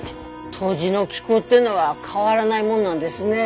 土地の気候っていうのは変わらないもんなんですねえ。